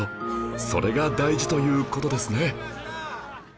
それが大事という事ですね